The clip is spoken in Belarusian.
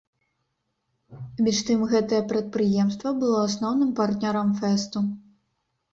Між тым гэтае прадпрыемства было асноўным партнёрам фэсту.